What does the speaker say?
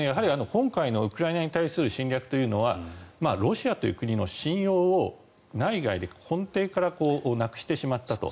今回のウクライナに対する侵略というのはロシアという国の信用を内外で根底からなくしてしまったと。